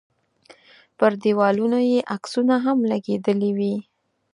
پر دیوالونو یې عکسونه هم لګېدلي وي.